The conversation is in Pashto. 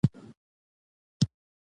هو ما د مينې سره خبرې وکړې